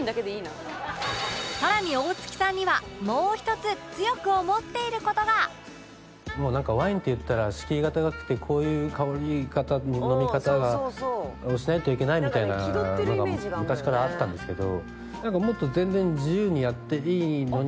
更に大槻さんにはもうなんかワインっていったら敷居が高くてこういう香り方飲み方をしないといけないみたいなのが昔からあったんですけど。